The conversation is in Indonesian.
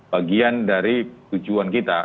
bagian dari tujuan kita